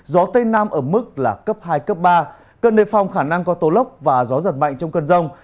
gió tây nam ở mức là cấp hai ba cơn đề phong khả năng có tố lốc và gió giật mạnh trong cơn rông